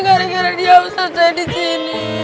gara gara dia usah saya di sini